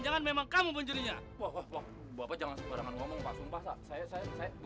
iya dia melahirkan tapi bukan anak saya pak ustadz